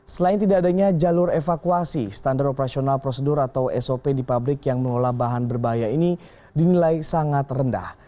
selain tidak adanya jalur evakuasi standar operasional prosedur atau sop di pabrik yang mengelola bahan berbahaya ini dinilai sangat rendah